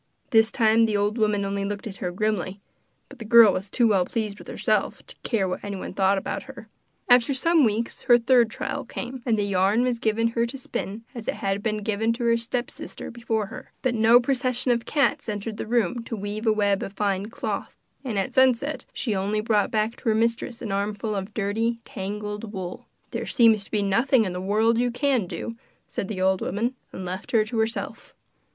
This time the old woman only looked at her grimly but the girl was too well pleased with herself to care what anyone thought about her. After some weeks her third trial came, and the yarn was given her to spin, as it had been given to her stepsister before her. But no procession of cats entered the room to weave a web of fine cloth, and at sunset she only brought back to her mistress an armful of dirty, tangled wool. 'There seems nothing in the world you can do,' said the old woman, and left her to herself.